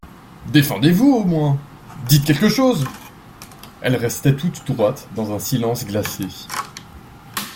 Défendez-vous, au moins !… Dites quelque chose ! Elle restait toute droite, dans un silence glacé.